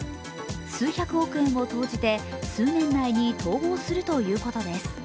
数百億円を投じて数年内に統合するということです。